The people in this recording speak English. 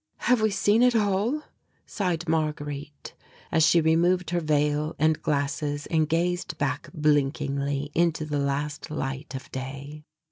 "Have we seen it all?" sighed Marguerite, as she removed her veil and glasses and gazed back blinkingly into the last light of day.